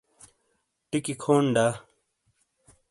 ٹکی کھون دا